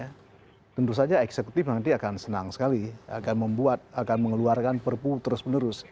ya tentu saja eksekutif nanti akan senang sekali akan membuat akan mengeluarkan perpu terus menerus